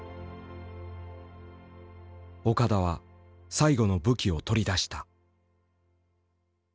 岡田は最後の武器を取り出した。